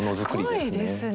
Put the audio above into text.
すごいですね。